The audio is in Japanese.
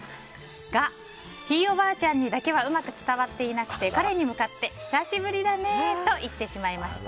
が、ひいおばあちゃんにだけはうまく伝わってなくて彼に向かって久しぶりだねと言ってしまいました。